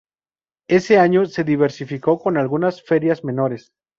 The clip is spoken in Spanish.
Ese año, se diversificó con algunas ferias menores.